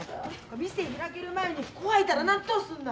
店開ける前にこわいたらなっとすんな！